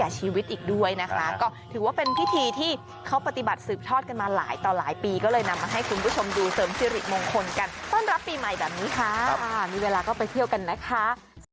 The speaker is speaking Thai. ชีวิตอีกด้วยนะคะก็ถือว่าเป็นพิธีที่เขาปฏิบัติสืบทอดกันมาหลายต่อหลายปีก็เลยนำมาให้คุณผู้ชมดูเสริมสิริมงคลกันต้อนรับปีใหม่แบบนี้ค่ะมีเวลาก็ไปเที่ยวกันนะคะ